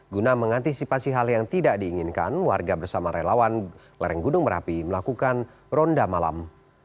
guna mengantisipasi hal yang tidak diinginkan warga bersama relawan lereng gunung merapi melakukan ronda malam